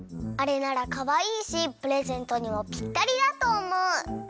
あれならかわいいしプレゼントにもぴったりだとおもう！